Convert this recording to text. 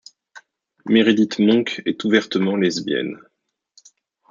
Meredith Monk est ouvertement lesbienne.